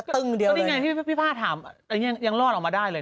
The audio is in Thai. ก็นี่ไงที่พี่ภาพถามยังรอดออกมาได้เลยเลย